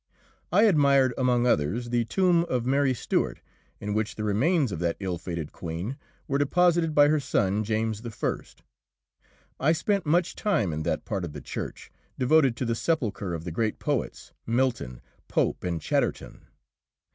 I admired, among others, the tomb of Mary Stuart, in which the remains of that ill fated Queen were deposited by her son, James I. I spent much time in that part of the church devoted to the sepulture of the great poets, Milton, Pope, and Chatterton.